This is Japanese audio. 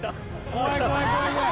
「怖い怖い怖い怖い！」